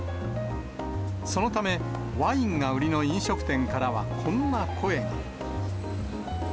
そのため、ワインが売りの飲食店からはこんな声が。